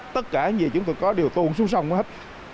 tất cả những gì chúng tôi có đều tuôn xuống sông hết